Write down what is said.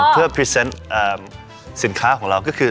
เพื่อพรีเซนต์สินค้าของเราก็คือ